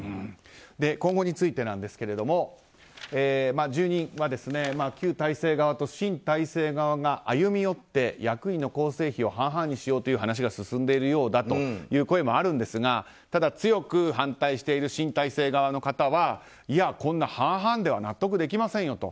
今後についてですが住人は、旧体制側と新体制側が歩み寄って役員の構成比を半々にしようという話が進んでいるようだという声もありますがただ、強く反対している新体制側の方はいや、こんな半々では納得できませんよと。